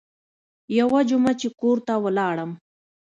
يوه جمعه چې کور ته ولاړم.